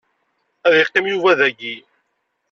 Ad iqqim Yuba dagi.